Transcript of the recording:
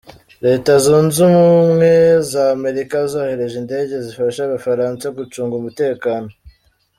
Leta zunze ubumwe za amerika zohereje indege zizafasha abafaransa gucunga umutekano